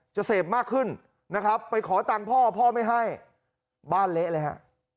จะเสพมากขึ้นนะครับไปขอตังค์พ่อพ่อไม่ให้บ้านเละเลยฮะ